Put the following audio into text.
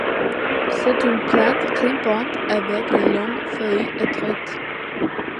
C'est une plante grimpante avec de longues feuilles étroites.